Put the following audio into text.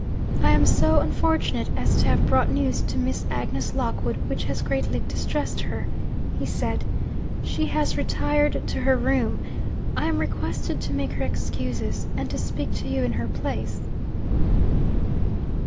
'I am so unfortunate as to have brought news to Miss Agnes Lockwood which has greatly distressed her,' he said. 'She has retired to her room. I am requested to make her excuses, and to speak to you in her place.'